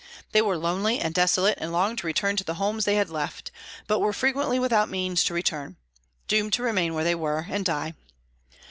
They were lonely and desolate, and longed to return to the homes they had left, but were frequently without means to return, doomed to remain where they were, and die.